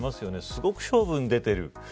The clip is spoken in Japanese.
すごく勝負に出ている。